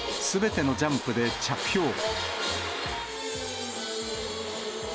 すべてのジャンプで着氷。